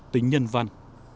tính nhân văn